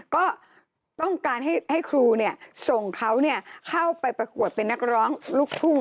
ก็ต้องการให้ครูส่งเขาเข้าไปประกวดเป็นนักร้องลูกทุ่ง